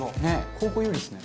「後攻有利ですね」